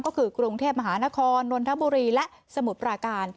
ก็คือกรุงเทพมหานครนนทบุรีและสมุทรปราการ